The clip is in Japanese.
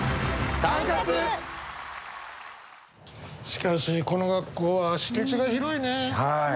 しかしこの学校は敷地が広いね。